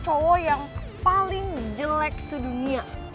cowok yang paling jelek sedunia